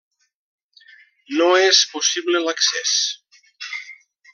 No és possible l'accés.